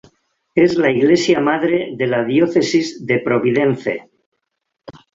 Es la iglesia madre de la Diócesis de Providence.